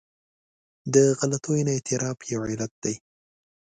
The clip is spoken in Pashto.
د غلطیو نه اعتراف یو علت دی.